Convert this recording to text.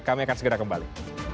kami akan segera kembali